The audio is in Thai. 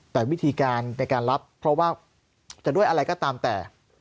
แต่วิธีการในการรับเพราะว่าจะด้วยอะไรก็ตามแต่